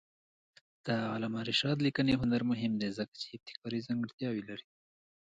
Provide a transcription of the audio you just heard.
د علامه رشاد لیکنی هنر مهم دی ځکه چې ابتکاري ځانګړتیاوې لري.